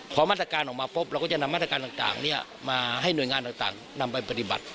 พอมาตรการออกมาปุ๊บเราก็จะนำมาตรการต่างมาให้หน่วยงานต่างนำไปปฏิบัติ